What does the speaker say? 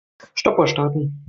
Stoppuhr starten.